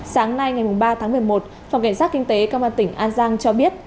sáng nay ngày ba tháng một mươi một phòng cảnh sát kinh tế công an tỉnh an giang cho biết